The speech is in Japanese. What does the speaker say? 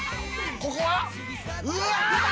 ここは。うわ！